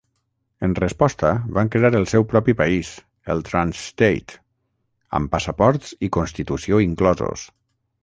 En resposta, van crear el seu propi país, el "Trans-State", amb passaports i constitució inclosos.